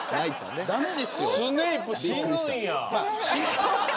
スネイプ死ぬんや。